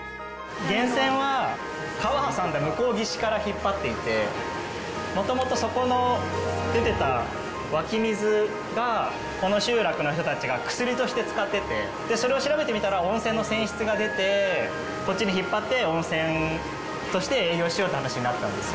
源泉は川を挟んで向こう岸から引っ張っていて、もともと、そこの出てた湧き水が、この集落の人たちが薬として使ってて、それを調べてみたら温泉の泉質が出て、こっちに引っ張って温泉として営業しようって話になったんです。